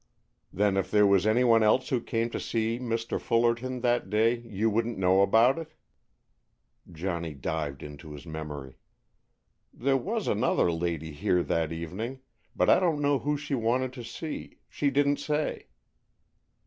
"Then if there was anyone else who came to see Mr. Fullerton that day, you wouldn't know about it?" Johnny dived into his memory. "There was another lady here that evening, but I don't know who she wanted to see. She didn't say."